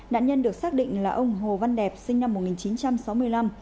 nạn nhân được xác định là ông hồ văn đẹp sinh năm một nghìn chín trăm sáu mươi năm